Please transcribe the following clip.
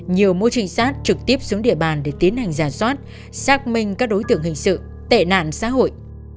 nhiều môi trình sát trực tiếp xuống địa bàn để tiến hành giả soát xác minh các đối tượng hình sự tệ nạn xã hội